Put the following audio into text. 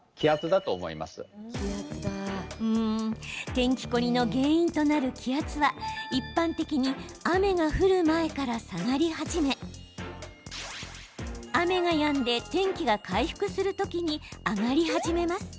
天気凝りの原因となる気圧は一般的に雨が降る前から下がり始め雨がやんで天気が回復する時に上がり始めます。